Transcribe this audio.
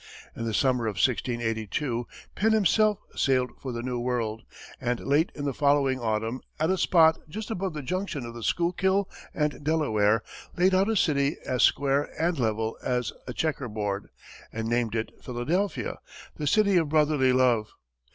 In the summer of 1682, Penn himself sailed for the New World, and late in the following autumn, at a spot just above the junction of the Schuylkill and Delaware, laid out a city as square and level as a checker board, and named it Philadelphia, the City of Brotherly Love.